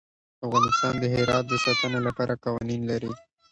افغانستان د هرات د ساتنې لپاره قوانین لري.